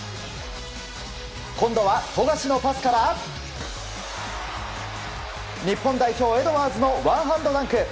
今度は富樫のパスから日本代表、エドワーズのワンハンドダンク。